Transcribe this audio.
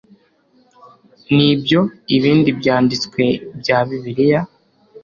n'ibyo ibindi byanditswe bya bibiliya